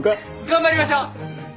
頑張りましょう！